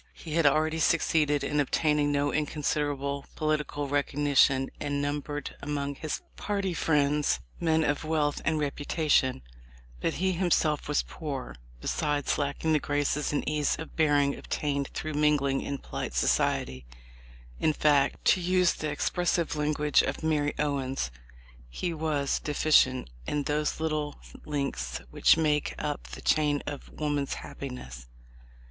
He had already succeeded in obtaining no inconsiderable political recognition, and numbered among his party friends men of wealth and reputation; but he himself was poor, besides lacking the graces and ease of bearing obtained through mingling in polite society — in fact, to use the expressive language of Mary Owens, he was "deficient in those little links which make up the chain of woman's happiness."